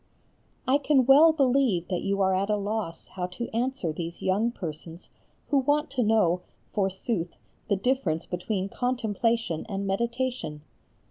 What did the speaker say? I can well believe that you are at a loss how to answer these young persons who want to know, forsooth, the difference between contemplation and meditation.